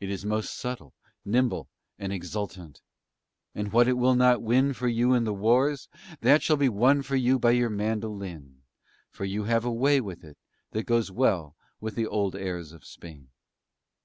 It is most subtle, nimble and exultant; and what it will not win for you in the wars, that shall be won for you by your mandolin, for you have a way with it that goes well with the old airs of Spain.